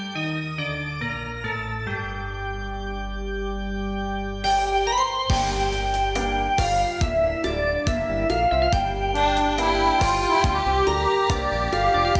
โดยมีมีควะเพลงที่จะเป็น